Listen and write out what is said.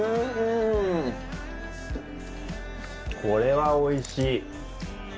これはおいしい。